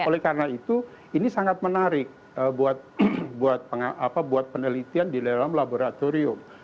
oleh karena itu ini sangat menarik buat penelitian di dalam laboratorium